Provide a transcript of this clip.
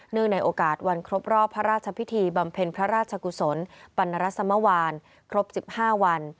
ในโอกาสวันครบรอบพระราชพิธีบำเพ็ญพระราชกุศลปรณรสมวานครบ๑๕วัน